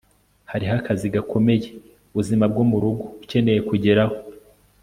hariho akazi gakomeye / ubuzima bwo murugo ukeneye kugeraho